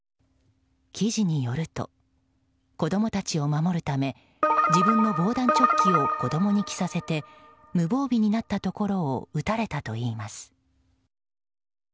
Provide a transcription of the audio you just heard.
記事によると子供たちを守るため自分の防弾チョッキを子供に着させて無防備になったところを撃たれたといいます。